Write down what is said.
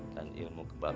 kan ilmu kebal